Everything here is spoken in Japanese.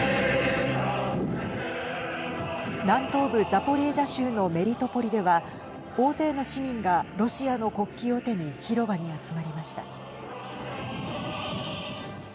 南東部ザポリージャ州のメリトポリでは大勢の市民がロシアの国旗を手に広場に集まりました。